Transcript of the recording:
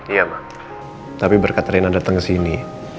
iya ma tapi berkat rena datang ke sini